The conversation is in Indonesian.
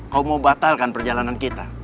kau mau batalkan perjalanan kita